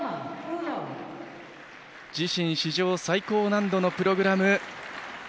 自身史上最高難度のプログラム。